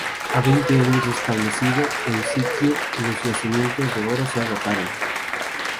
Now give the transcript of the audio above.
A veinte años de establecido el sitio los yacimientos de oro se agotaron.